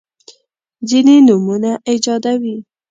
ځیني نومونه ایجادوي.